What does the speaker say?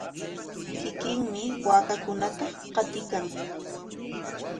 Kikinmi waakankunata qatiykan.